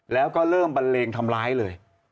แล้วก็เริ่มบันเลงทำร้ายเลย